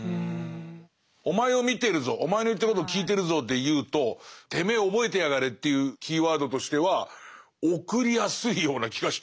お前を見てるぞお前の言ってることを聞いてるぞでいうとてめえ覚えてやがれっていうキーワードとしては送りやすいような気がしてきた。